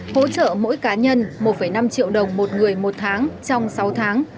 hỗ trợ mỗi cá nhân một năm triệu đồng một người một tháng trong sáu tháng